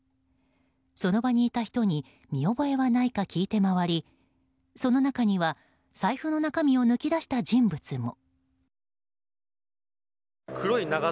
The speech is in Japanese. その場にいた人に見覚えはないか聞いて回りその中には財布の中身を抜き出した人物も。